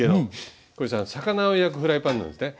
これは魚を焼くフライパンなんですね。